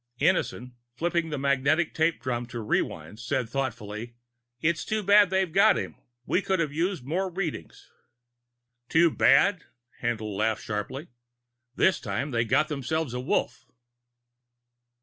Innison, flipping the magnetic tape drum to rewind, said thoughtfully: "It's too bad they've got him. We could have used some more readings." "Too bad?" Haendl laughed sharply. "This time they've got themselves a Wolf."